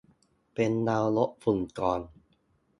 เป็นเรา ลดฝุ่นก่อน